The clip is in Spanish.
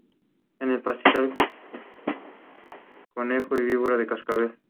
Se doctoró en Física en la Universidad de Heidelberg, Alemania.